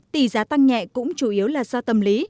tỷ giá tăng nhẹ cũng chủ yếu là do tâm lý